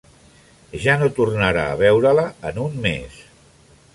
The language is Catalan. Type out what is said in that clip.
Ja no tornarà a veure-la en un mes.